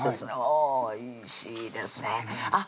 おいしいですねあっ